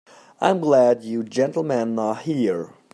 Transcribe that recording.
I'm glad you gentlemen are here.